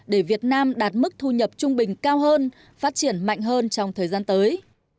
để việt nam đạt mức thu nhập trung bình cao hơn phát triển mạnh hơn trong thời gian tới